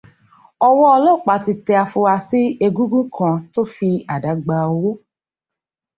Ọwọ́ ọlọ́pàá ti tẹ afurasí egúngún kan tó fi àdá gba owó